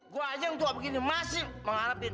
gue aja yang tua begini masih mengharapin